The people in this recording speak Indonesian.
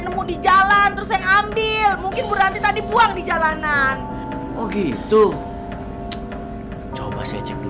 nemu di jalan terus saya ambil mungkin berhenti tadi buang di jalanan oh gitu coba saya cek dulu